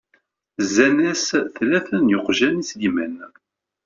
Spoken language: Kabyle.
Zzin-as tlata n yeqjan i Sliman.